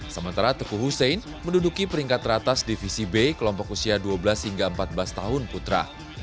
sementara teguh hussein menduduki peringkat teratas divisi b kelompok usia dua belas hingga empat belas tahun putra